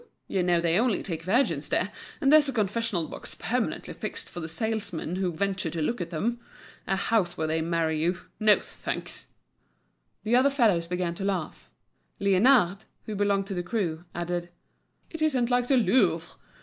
You know they only take virgins there, and there's a confessional box permanently fixed for the salesmen who venture to look at them. A house where they marry you—no, thanks!" The other fellows began to laugh. Liénard, who belonged to the crew, added: "It isn't like the Louvre.